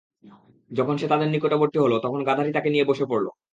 যখন সে তাদের নিকটবর্তী হল, তখন গাধাটি তাকে নিয়ে বসে পড়ল।